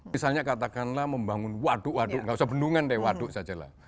misalnya katakanlah membangun waduk waduk gak usah bendungan deh waduk sajalah